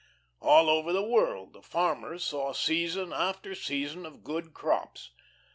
All over the world the farmers saw season after season of good crops.